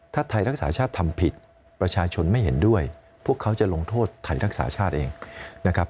ถ้าไทยรักษาชาติทำผิดประชาชนไม่เห็นด้วยพวกเขาจะลงโทษไทยรักษาชาติเองนะครับ